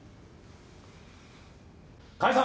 解散。